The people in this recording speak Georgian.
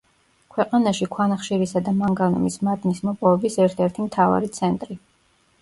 ქვეყანაში ქვანახშირისა და მანგანუმის მადნის მოპოვების ერთ-ერთი მთავარი ცენტრი.